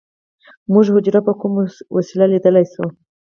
موږ حجره په کومه وسیله لیدلی شو